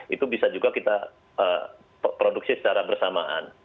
itu bisa juga kita produksi secara bersamaan